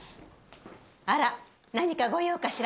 あら、何か御用かしら。